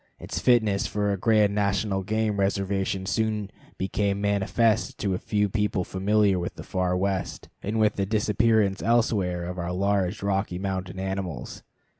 Its fitness for a grand national game reservation soon became manifest to a few people familiar with the far West, and with the disappearance elsewhere of our large Rocky Mountain animals.